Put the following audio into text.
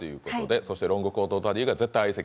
そしてロングコートダディが絶対相席？